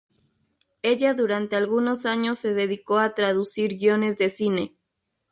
Ella durante algunos años se dedicó a traducir guiones de cine.